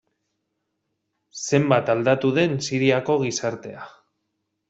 Zenbat aldatu den Siriako gizartea.